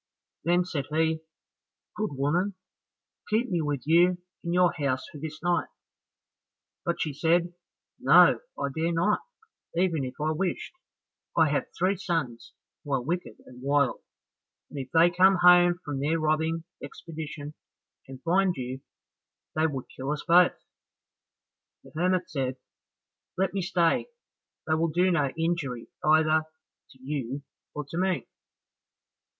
Then said he, "Good woman, keep me with you in your house for this night;" but she said, "No, I dare not, even if I wished, I have three sons who are wicked and wild, if they come home from their robbing expedition, and find you, they would kill us both." The hermit said, "Let me stay, they will do no injury either to you or to me."